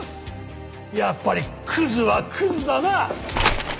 やっぱりクズはクズだなあ！